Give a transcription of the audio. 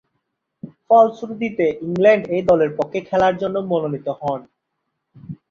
ফলশ্রুতিতে England A দলের পক্ষে খেলার জন্য মনোনীত হন।